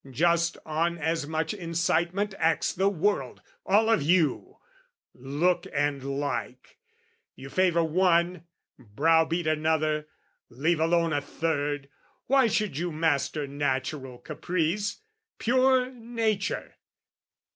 Just on as much incitement acts the world, All of you! Look and like! You favour one, Brow beat another, leave alone a third, Why should you master natural caprice? Pure nature!